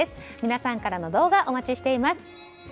皆さんからの動画お待ちしています。